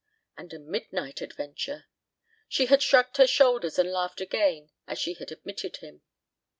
And a midnight adventure! She had shrugged her shoulders and laughed again as she had admitted him.